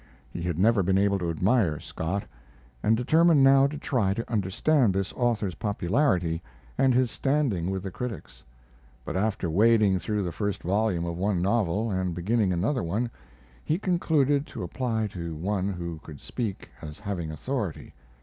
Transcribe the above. He had never been able to admire Scott, and determined now to try to understand this author's popularity and his standing with the critics; but after wading through the first volume of one novel, and beginning another one, he concluded to apply to one who could speak as having authority.